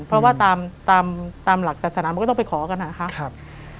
เพราะว่าตามหลักศาสนามันก็ต้องไปขอกันนะครับ